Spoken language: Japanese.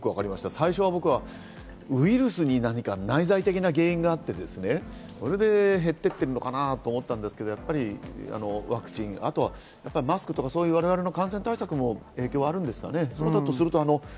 最初、僕はウイルスに内在的な原因があって、それで減っていってるのかなと思ったんですが、ワクチン、あとはマスクなど感染対策があるのかなと。